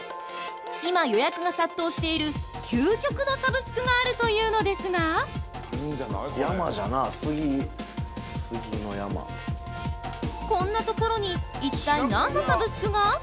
今、予約が殺到している究極のサブスクがあるというのですがこんな所に一体、何のサブスクが？